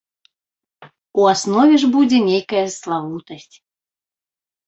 У аснове ж будзе нейкая славутасць.